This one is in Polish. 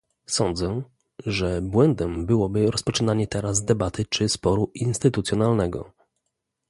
Sądzę, że błędem byłoby rozpoczynanie teraz debaty czy sporu instytucjonalnego